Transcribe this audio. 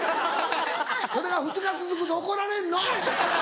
それが２日続くと怒られんの！